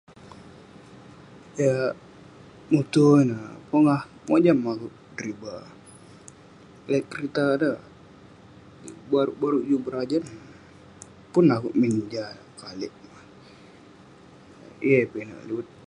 Yah muto ineh pogah mojam akuek deriba dukuk oluek beriba eh kerita ineh baruk-baruk juk belajan pun akuek min Jah kalik mah yeng eh pinek liwet